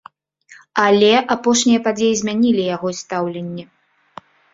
Але апошнія падзеі змянілі яго стаўленне.